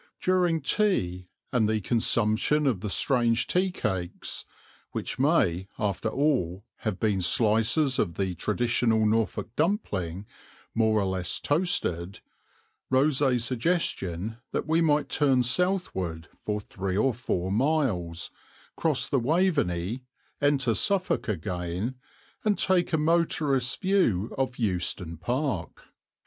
During tea and the consumption of the strange tea cakes (which may, after all, have been slices of the traditional Norfolk dumpling, more or less toasted) rose a suggestion that we might turn southward for three or four miles, cross the Waveney, enter Suffolk again, and take a motorist's view of Euston Park.